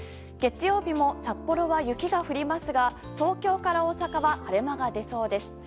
月曜日も札幌は雪が降りますが東京から大阪は晴れ間が出そうです。